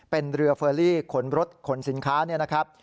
เป็นเรือเฟอรี่ขนรถขนสินค้าเนี่ยนะครับ